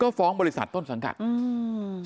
มันต้องการมาหาเรื่องมันจะมาแทงนะ